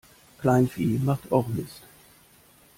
Kleinvieh macht auch Mist.